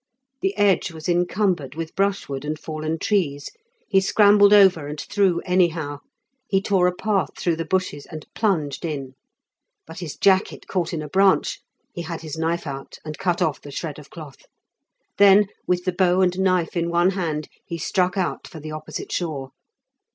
The edge was encumbered with brushwood and fallen trees; he scrambled over and through anyhow; he tore a path through the bushes and plunged in. But his jacket caught in a branch; he had his knife out and cut off the shred of cloth. Then with the bow and knife in one hand he struck out for the opposite shore.